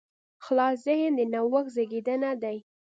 خلاص ذهن د نوښت زېږنده دی.